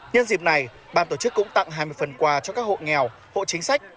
nhân dịp này ban tổ chức cũng tặng hai mươi phần quà cho các hộ nghèo hộ chính sách